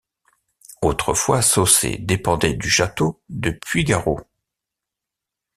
Autrefois Sossais dépendait du château de Puygareau.